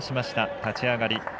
立ち上がり。